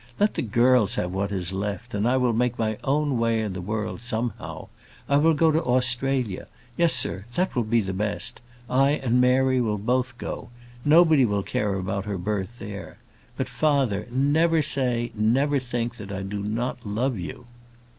Let the girls have what is left, and I will make my own way in the world, somehow. I will go to Australia; yes, sir, that will be best. I and Mary will both go. Nobody will care about her birth there. But, father, never say, never think, that I do not love you!"